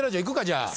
じゃあ。